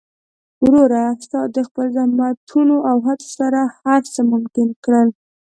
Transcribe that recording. وروره! ستا د خپل زحمتونو او هڅو سره هر څه ممکن کړل.